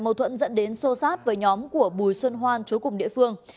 mâu thuẫn dẫn đến sô sát với nhóm của bùi xuân hoan chú cùng địa phương